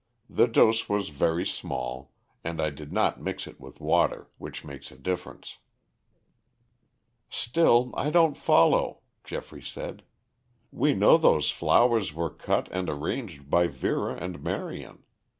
"The dose was very small, and I did not mix it with water, which makes a difference." "Still, I don't follow," Geoffrey said. "We know those flowers were cut and arranged by Vera and Marion.